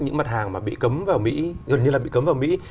những mặt hàng mà bị cấm vào mỹ